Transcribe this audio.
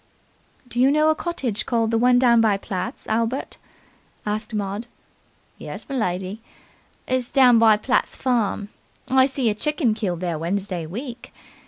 "Do you know a cottage called 'the one down by Platt's', Albert?" asked Maud. "Yes, m'lady. It's down by Platt's farm. I see a chicken killed there Wednesday week.